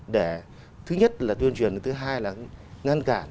để thứ nhất là tuyên truyền thứ hai là ngăn cản